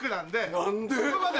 何で？